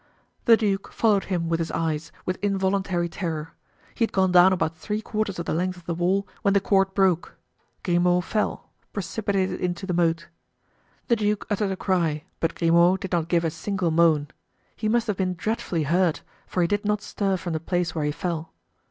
The duke followed him with his eyes, with involuntary terror. He had gone down about three quarters of the length of the wall when the cord broke. Grimaud fell—precipitated into the moat. The duke uttered a cry, but Grimaud did not give a single moan. He must have been dreadfully hurt, for he did not stir from the place where he fell.